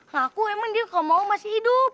ngaku emang dia gak mau masih hidup